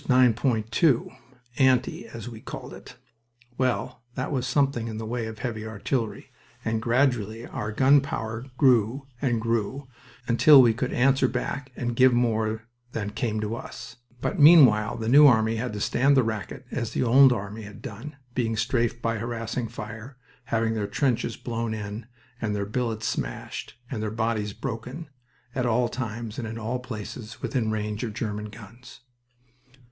2 (nine point two) "aunty," as we called it. Well, that was something in the way of heavy artillery, and gradually our gun power grew and grew, until we could "answer back," and give more than came to us; but meanwhile the New Army had to stand the racket, as the Old Army had done, being strafed by harassing fire, having their trenches blown in, and their billets smashed, and their bodies broken, at all times and in all places within range of German guns.